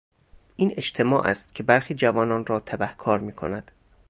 این اجتماع است که برخی جوانان را تبهکار میکند.